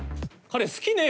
彼好きね。